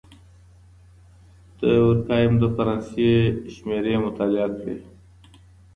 دورکهايم د فرانسې شمېرې مطالعه کړې.